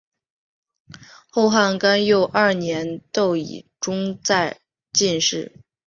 后汉干佑二年窦偁中进士。